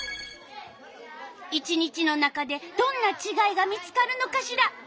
１日の中でどんなちがいが見つかるのかしら。